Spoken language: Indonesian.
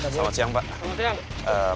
selamat siang pak